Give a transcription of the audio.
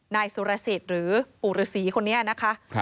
นายสุรสิทธิ์หรือปู่ฤษีคนนี้นะคะ